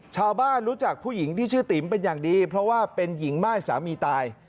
รู้จักผู้หญิงที่ชื่อติ๋มเป็นอย่างดีเพราะว่าเป็นหญิงม่ายสามีตาย